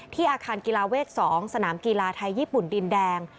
อาคารกีฬาเวท๒สนามกีฬาไทยญี่ปุ่นดินแดง